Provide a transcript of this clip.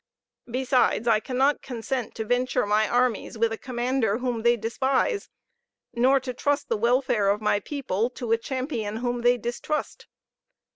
Besides, I cannot consent to venture my armies with a commander whom they despise, nor to trust the welfare of my people to a champion whom they distrust.